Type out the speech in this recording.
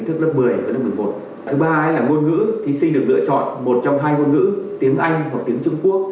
thứ ba là ngôn ngữ thí sinh được lựa chọn một trong hai ngôn ngữ tiếng anh hoặc tiếng trung quốc